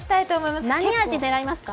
何味、狙いますか？